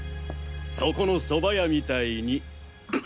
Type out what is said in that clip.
そこのそば屋みたいに。